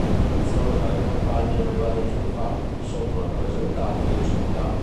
La migrazione dalle campagne aveva reso, infatti, sotto-rappresentate le città.